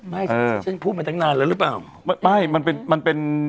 ไม่ฉันพูดมาตั้งนานแล้วหรือเปล่าไม่ไม่มันเป็นมันเป็น